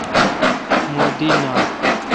مہ دی نال۔